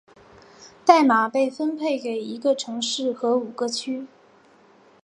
代码被分配给一个城市和五个区。